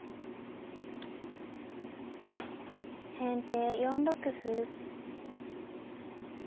先手４六歩。